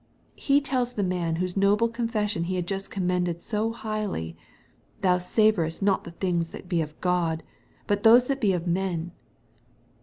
He tells the man whose noble confes sion he had just commended so highly, " Thou savorest not the things that be of God, but those that be of men."